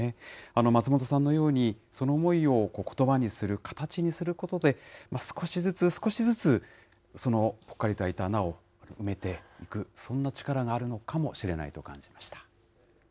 松本さんのように、その思いをことばにする、形にすることで、少しずつ少しずつ、そのぽっかりと開いた穴を埋めていく、そんな力があるのかもしれないと感じました。